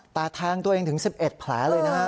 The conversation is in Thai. แต่แทงตัวเองถึง๑๑แผลเลยนะฮะ